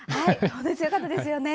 強かったですよね。